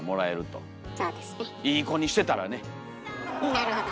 なるほど。